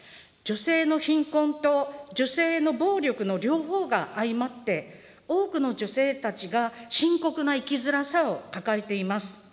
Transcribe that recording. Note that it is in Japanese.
女性の貧困と女性への暴力の両方が相まって、多くの女性たちが深刻な生きづらさを抱えています。